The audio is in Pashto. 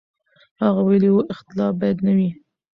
هغه ویلي و، اختلاف باید نه وي.